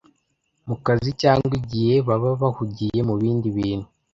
mu kazi cyangwa igihe baba bahugiye mu bindi bintu